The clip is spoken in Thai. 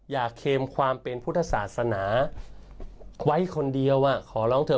อย่าเคลมความเป็นพุทธศาสนาไว้คนเดียวอ่ะขอร้องเถอะ